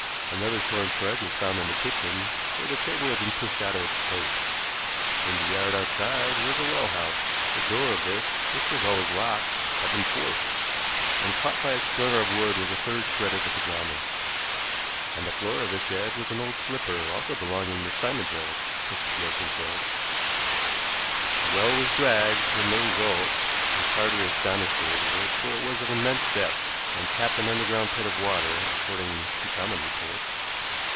Another torn shred was found in the kitchen, where the table had been pushed out of its place. In the yard outside was a well house. The door of this, which was always locked, had been forced, and caught by a splinter of wood was a third shred of the pajamas. On the floor of the shed was an old slipper, also belonging to Simon Judd, Mrs. Gilson said. The well was dragged, with no result, which hardly astonished the neighborhood, for it was of immense depth, and tapped an underground pit of water, according to common report.